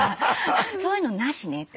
「そういうのなしね」って。